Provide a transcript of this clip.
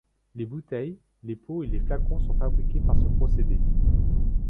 Les bouteilles, les pots et les flacons sont fabriqués par ce procédé.